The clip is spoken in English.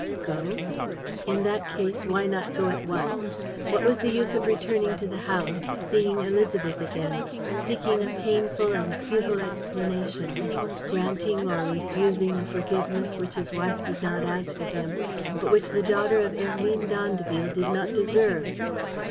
Go? In that case why not go at once? What was the use of returning to the house, seeing Élisabeth again, seeking a painful and futile explanation, granting or refusing a forgiveness which his wife did not ask of him, but which the daughter of Hermine d'Andeville did not deserve?